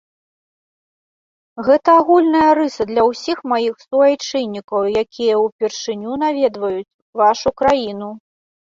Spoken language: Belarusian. Гэта агульная рыса для ўсіх маіх суайчыннікаў, якія ўпершыню наведваюць вашу краіну.